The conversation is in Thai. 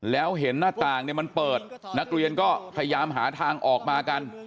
แล้วเห็นหน้าต่างมันเปิดนักเรียนก็พยายามหาทางออกมากัน